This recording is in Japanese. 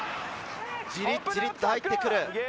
じりじりと入ってくる。